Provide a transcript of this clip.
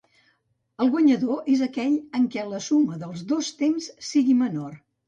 El guanyador és aquell en què la suma dels dos temps sigui menor.